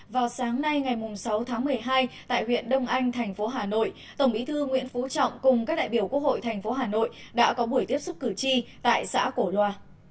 vào sáng nay ngày sáu tháng một mươi hai tại huyện đông anh thành phố hà nội tổng bí thư nguyễn phú trọng cùng các đại biểu quốc hội thành phố hà nội đã có buổi tiếp xúc cử tri tại xã cổ loa